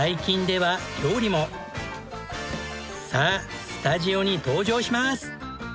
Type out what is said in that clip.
さあスタジオに登場します！